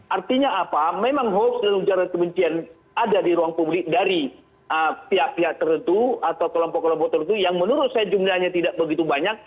artinya apa memang hoax dan ujaran kebencian ada di ruang publik dari pihak pihak tertentu atau kelompok kelompok tertentu yang menurut saya jumlahnya tidak begitu banyak